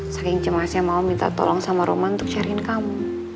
saking cemasnya mau minta tolong sama roman untuk sharein kamu